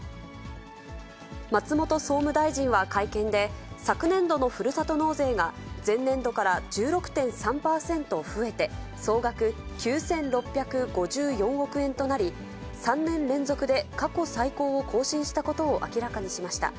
松本総務大臣は会見で、昨年度のふるさと納税が前年度から１６．３％増えて、総額９６５４億円となり、３年連続で過去最高を更新したことを明らかにしました。